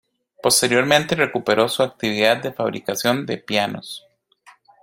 Posteriormente recuperó su actividad de fabricación de pianos.